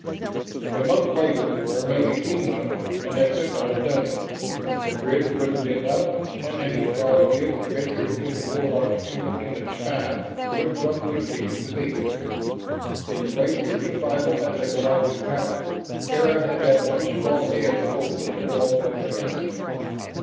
A month later, or maybe two months, and they could not have done it. The grids would have been up, and any Throg ship venturing into Warlock's amber tinted sky would abruptly cease to be. In the race for survival as a galactic power, Terra had that one small edge over the swarms of the enemy.